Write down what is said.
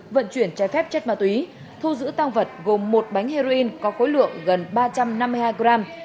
vận chuyển trái phép chất ma túy thu giữ tăng vật gồm một bánh heroin có khối lượng gần ba trăm năm mươi hai gram